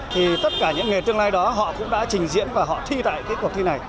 thì tất cả những nghề tương lai đó họ cũng đã trình diễn và họ thi tại cái cuộc thi này